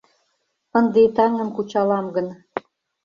Ынде таҥым кучалам гын